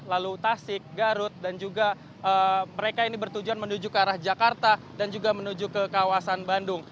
lalu tasik garut dan juga mereka ini bertujuan menuju ke arah jakarta dan juga menuju ke kawasan bandung